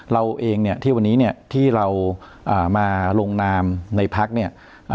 เราเองเนี่ยที่วันนี้เนี่ยที่เรามาลงนามในพักเนี่ย